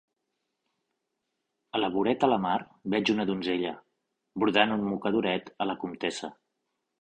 A la voreta la mar, veig una donzella; brodant un mocadoret, a la comtessa.